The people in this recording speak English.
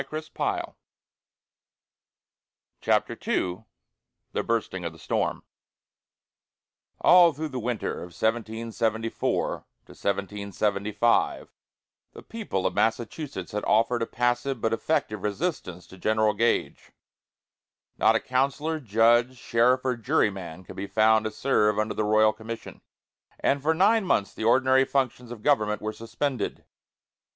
GULIAN VERPLANCK. CHAPTER II THE BURSTING OF THE STORM All through the winter of 1774 75, the people of Massachusetts had offered a passive but effective resistance to General Gage. Not a councillor, judge, sheriff, or juryman could be found to serve under the royal commission; and for nine months the ordinary functions of government were suspended.